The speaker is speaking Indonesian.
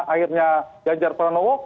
akhirnya janjar pranowo